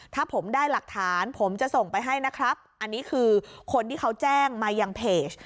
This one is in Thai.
ถ้าผมได้หลักฐานผมจะส่งไปให้นะครับอันนี้คือคนที่เขาแจ้งมายังเพจ